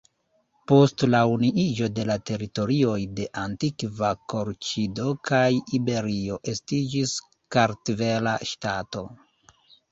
Post la unuiĝo de la teritorioj de antikva Kolĉido kaj Iberio estiĝis Kartvela ŝtato.